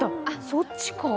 そっちか。